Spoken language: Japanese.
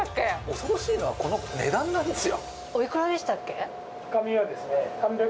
恐ろしいのはこの値段なんですよ。